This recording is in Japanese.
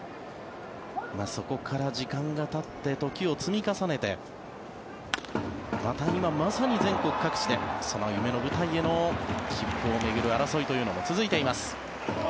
そこから時間がたって時を積み重ねてまた今、全国各地で夢の舞台への切符を巡る争いというのも続いています。